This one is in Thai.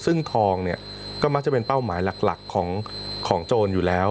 ซึ่งทองเนี่ยก็มักจะเป็นเป้าหมายหลักของโจรอยู่แล้ว